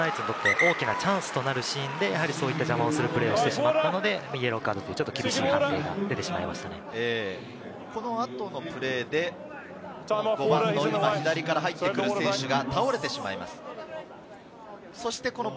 ワイルドナイツにとっては大きなチャンスとなるシーンでそういった邪魔をするプレーをしてしまったのでイエローカードというちょっと厳しい判定が出てこの後のプレーで左から入ってくる選手が倒れてしまいます。